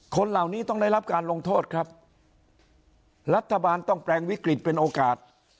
คนเหล่านี้ต้องได้รับการลงโทษครับรัฐบาลต้องแปลงวิกฤตเป็นโอกาส